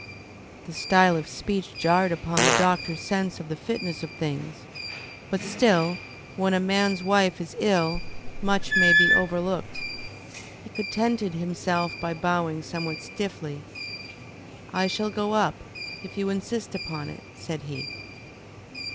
The style of speech jarred upon the doctor's sense of the fitness of things, but still when a man's wife is ill much may be overlooked. He contented himself by bowing somewhat stiffly. "I shall go up, if you insist upon it," said he.